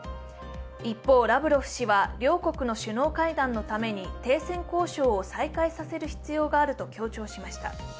一方、ラブロフ氏は両国の首脳会談のために停戦交渉を再開させる必要があると強調しました。